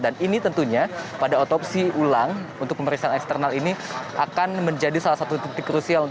dan ini tentunya pada otopsi ulang untuk pemeriksaan eksternal ini akan menjadi salah satu titik krusial